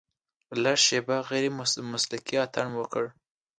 لږه شېبه غیر مسلکي اتڼ مو وکړ.